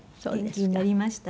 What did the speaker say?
元気になりました。